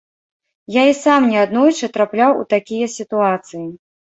Я і сам неаднойчы трапляў у такія сітуацыі.